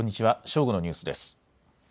正午のニュースです。